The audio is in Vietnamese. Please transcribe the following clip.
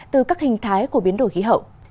từ các hình thái của biến đổi khí hậu